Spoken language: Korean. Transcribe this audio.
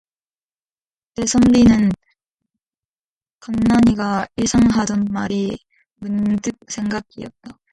그때 선비는 간난이가 일상 하던 말이 문득 생각히었다.